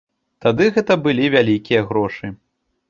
Тады гэта былі вялікія грошы.